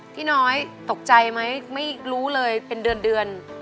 พี่น้อยตกใจไหมไม่รู้เลยเป็นเดือน